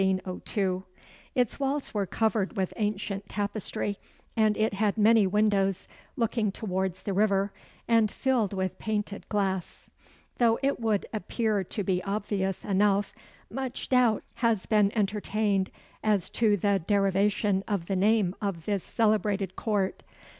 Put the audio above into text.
Its walls were covered with ancient tapestry, and it had many windows looking towards the river, and filled with painted glass. Though it would appear to be obvious enough, much doubt has been entertained as to the derivation of the name of this celebrated Court.